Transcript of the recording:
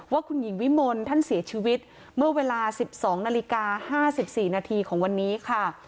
ว่าคุณหญิงวิมลท่านเสียชีวิตเมื่อเวลา๑๒นาฬิกา๕๔นาทีของวันนี้ค่ะ